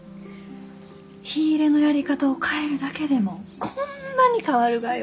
火入れのやり方を変えるだけでもこんなに変わるがよ。